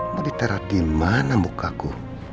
mau ditera di mana mukaku